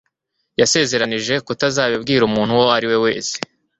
Yasezeranije kutazabibwira umuntu uwo ari we wese